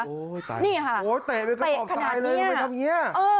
โอ๊ยตายแล้วนี่ฮะมาเลยค่ะตีขนาดนี้อาจเลยมาทำอย่างงี้